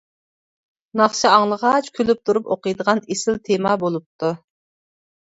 ناخشا ئاڭلىغاچ كۈلۈپ تۇرۇپ ئوقۇيدىغان ئېسىل تېما بولۇپتۇ.